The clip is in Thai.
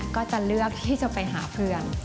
ก็จะเลือกที่จะไปหาเพื่อน